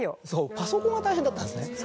パソコンが大変だったんですね。